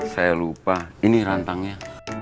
saya lupa ini rantangnya